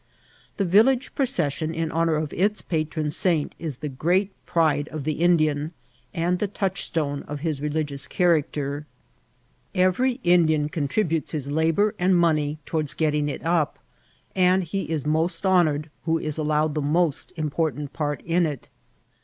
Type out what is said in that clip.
The village procession in honour of its patron saint is the great pride of the Indian, and the touchstone of his religious charetcter. Every Indian contributes his 22 tS4 IMCIDXMTt OF TBATXI.. kbour sad money toward gettmg h op, and he is most boiioiired who is allowed the moet inqMrtant part in it.